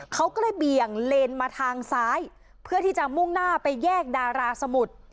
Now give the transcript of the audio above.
เขาก็เลยเบี่ยงเลนมาทางซ้ายเพื่อที่จะมุ่งหน้าไปแยกดาราสมุทร